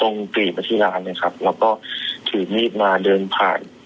ปรีมาที่ร้านเลยครับแล้วก็ถือมีดมาเดินผ่าน